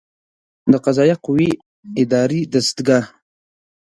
د قضائیه قوې اداري دستګاه